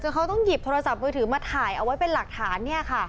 เขาต้องหยิบโทรศัพท์มือถือมาถ่ายเอาไว้เป็นหลักฐานเนี่ยค่ะ